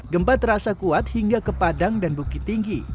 gempa terasa kuat hingga ke padang dan bukit tinggi